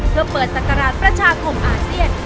เพื่อเปิดศักราชประชาคมอาเซียน